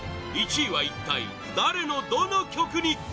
１位は一体、誰のどの曲に？